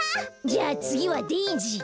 じゃあつぎはデージー。